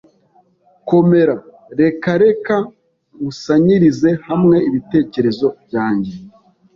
Komera. Reka reka nkusanyirize hamwe ibitekerezo byanjye.